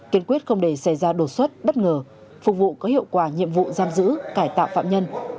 kiên quyết không để xảy ra đột xuất bất ngờ phục vụ có hiệu quả nhiệm vụ giam giữ cải tạo phạm nhân